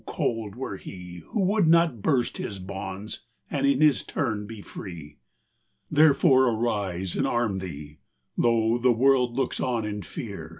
cold were he Who would not burst his bonds, and in his turn be free. XVI. Therefore arise and arm thee ! lo, the world Looks on in fear